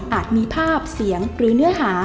มีภาพเสียงหรือเนื้อหา